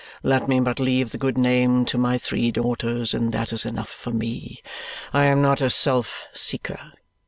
Let me but leave the good name to my three daughters, and that is enough for me; I am not a self seeker.